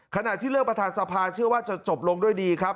ขณะที่เลือกประธานสภาเชื่อว่าจะจบลงด้วยดีครับ